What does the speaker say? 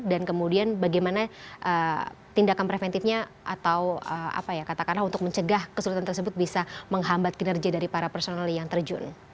dan kemudian bagaimana tindakan preventifnya atau apa ya katakanlah untuk mencegah kesulitan tersebut bisa menghambat kinerja dari para personel yang terjun